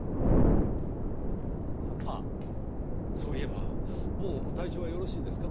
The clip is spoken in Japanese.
ああそういえばもう体調はよろしいんですか？